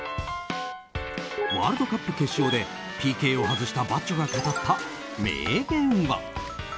ワールドカップ決勝でＰＫを外したバッジョが語った名言は。